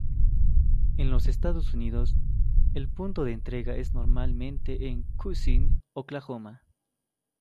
En los Estados Unidos, el punto de entrega es normalmente en Cushing, Oklahoma.